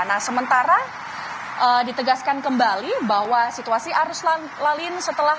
nah sementara ditegaskan kembali bahwa situasi harus lalim setelah